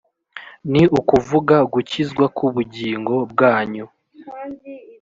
ni ukuvuga gukizwa kubugingo bwanyu